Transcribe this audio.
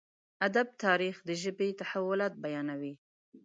ادب تاريخ د ژبې تحولات بيانوي.